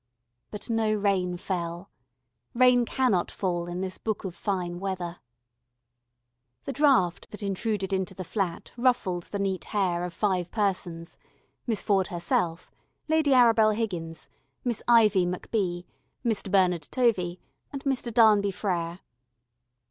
But no rain fell. Rain cannot fall in this book of fine weather. The draught that intruded into the flat ruffled the neat hair of five persons, Miss Ford herself, Lady Arabel Higgins, Miss Ivy MacBee, Mr. Bernard Tovey, and Mr. Darnby Frere.